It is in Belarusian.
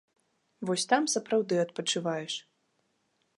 Вось там сапраўды адпачываеш.